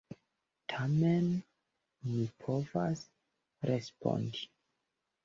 Tamen mi povas respondi!